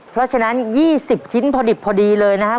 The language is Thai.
เพราะฉะนั้น๒๐ชิ้นพอดิบพอดีเลยนะครับ